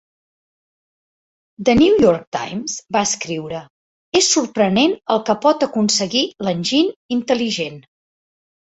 "The New York Times" va escriure, "És sorprenent el que pot aconseguir l'enginy intel·ligent".